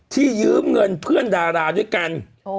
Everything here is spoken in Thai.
ยืมเงินเพื่อนดาราด้วยกัน